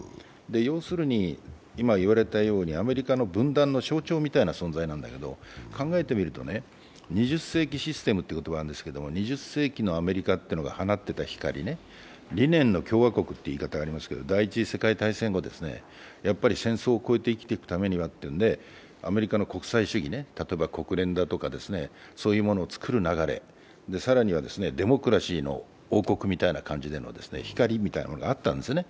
要するに今言われたようにアメリカの分断の象徴みたいな存在なんだけど、考えてみると２０世紀システムという言葉があるんですけれども、２０世紀のアメリカが放っていた光ね、理念の共和国という言い方がありますけど第一次世界大戦後、戦争を超えて生きていくためにはアメリカの国際主義ね、例えば国連だとか、そういうものを作る流れ、更にはデモクラシーの王国みたいな形でも光みたいなのがあったんですね。